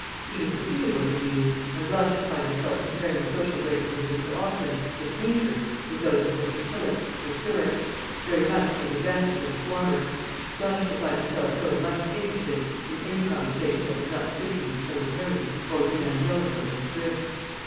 Even Sophia was amused, and blushed to find herself comparing the social graces of Mr. Austin the painter with those of Mr. Tillott the curate, very much to the advantage of the former blushed to find herself so much interested in any conversation that was not strictly utilitarian or evangelical in its drift.